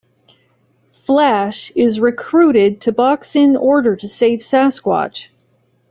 Flash is recruited to box in order to save Sasquatch.